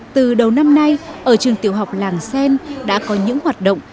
từ đầu năm nay ở trường tiểu học làng xen đã có những hoạt động